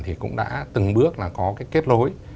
thì cũng đã từng bước là có cái kết nối